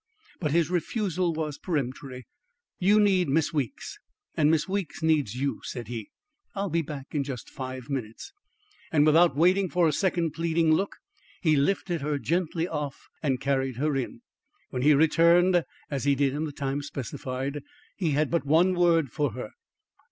But his refusal was peremptory. "You need Miss Weeks, and Miss Weeks needs you," said he. "I'll be back in just five minutes." And without waiting for a second pleading look, he lifted her gently off and carried her in. When he returned, as he did in the time specified, he had but one word for her.